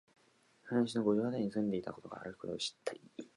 川西の五条あたりに住んでいたことがあるということを知ったり、